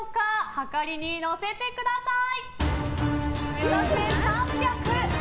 はかりに載せてください。